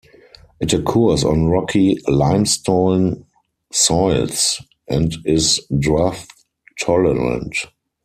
It occurs on rocky limestone soils, and is drought tolerant.